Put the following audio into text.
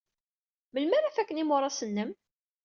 Melmi ara faken yimuras-nnem?